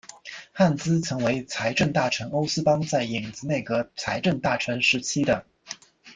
汉兹曾为财政大臣欧思邦在影子内阁财政大臣时期的。